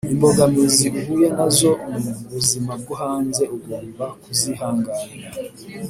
imbogamizi uhuye na zo mu buzima bwo hanze ugomba kuzihanganira